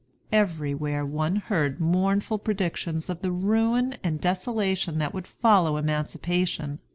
Everywhere one heard mournful predictions of the ruin and desolation that would follow emancipation.